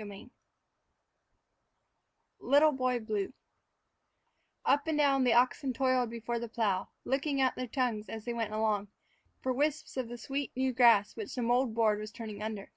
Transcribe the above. III "LITTLE BOY BLUE" UP and down the oxen toiled before the plow, licking out their tongues, as they went along, for wisps of the sweet, new grass which the mold board was turning under.